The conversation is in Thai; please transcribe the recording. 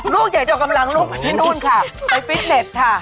อยากจะเอากำลังลูกไปที่นู่นค่ะไปฟิตเน็ตค่ะ